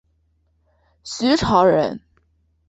徐潮人。